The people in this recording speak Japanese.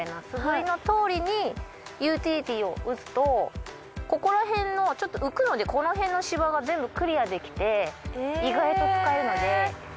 素振りのとおりにユーティリティを打つとここらへんのちょっと浮くのでこのへんの芝は全部クリアできて意外と使えるので。